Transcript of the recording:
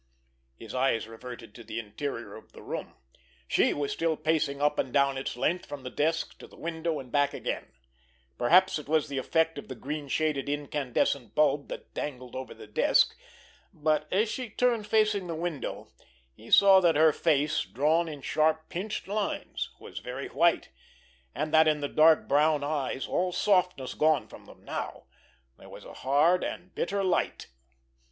His eyes reverted to the interior of the room. She was still pacing up and down its length from the desk to the window and back again. Perhaps it was the effect of the green shaded incandescent bulb that dangled over the desk, but, as she turned facing the window, he saw that her face, drawn in sharp, pinched lines, was very white, and that in the dark brown eyes, all softness gone from them now, there was a hard and bitter light.